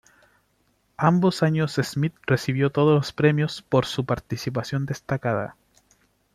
Ambos años Smith recibió todos los premios por su participación destacada.